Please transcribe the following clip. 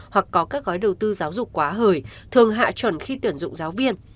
hoặc có các gói đầu tư giáo dục quá hời thường hạ chuẩn khi tuyển dụng giáo viên